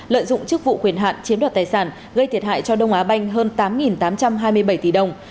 lợi dụng chức vụ quyền hạn chiếm đoạt tài sản gây thiệt hại cho đông á banh hơn tám tám trăm hai mươi bảy tỷ đồng